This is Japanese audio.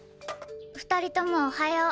２人ともおはよう。